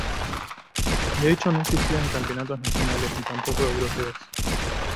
De hecho no existían campeonatos nacionales, ni tampoco europeos.